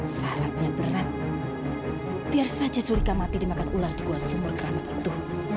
syaratnya berat biar saja surika mati dimakan ular di gua sumur keramat itu